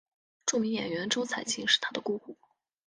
著名演员周采芹是她的姑姑。